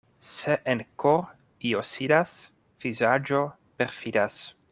Se en kor' io sidas, vizaĝo perfidas.